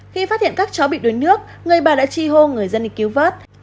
khi phát hiện các cháu bị đuối nước người bà đã tri hô người dân để cứu vớt